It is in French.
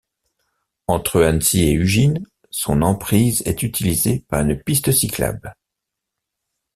Entre Annecy et Ugine, son emprise est utilisée par une piste cyclable.